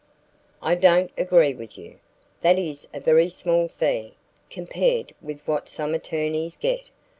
"I don't agree with you. That is a very small fee, compared with what some attorneys get.